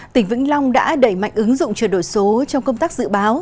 tỉnh vĩnh long đã đẩy mạnh ứng dụng chuyển đổi số trong công tác dự báo